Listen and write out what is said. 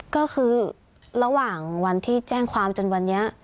ก็คือระหว่างวันที่แจ้งความจนวันนี้